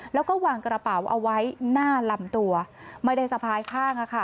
แล้วก็วางกระเป๋าเอาไว้หน้าลำตัวไม่ได้สะพายข้างอะค่ะ